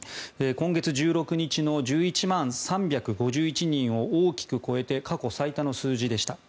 今月１６日の１１万３５１人を大きく超えて過去最多の数字でした。